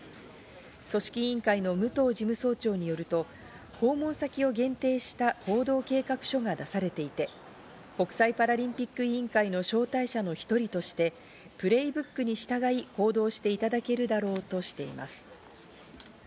組織委員会の武藤事務総長によると、訪問先を限定した行動計画書が出されていて、国際パラリンピック委員会の招待者の１人としてプレイブックに従い行動していただけるだろうとしています。